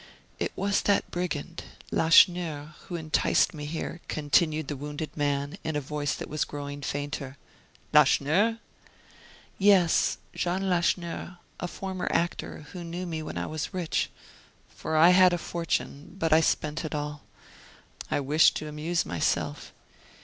"It was that brigand, Lacheneur, who enticed me here," continued the wounded man, in a voice that was growing fainter. "Lacheneur?" "Yes, Jean Lacheneur, a former actor, who knew me when I was rich for I had a fortune, but I spent it all; I wished to amuse myself.